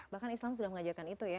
bahkan islam sudah mengajarkan itu ya